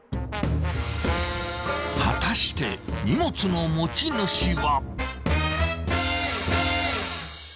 ［果たして荷物の持ち主は］